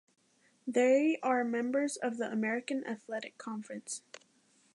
They are members of the American Athletic Conference.